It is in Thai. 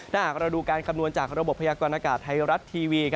ถ้าหากเราดูการคำนวณจากระบบพยากรณากาศไทยรัฐทีวี